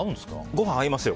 ご飯、合いますよ。